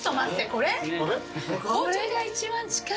これが一番近い。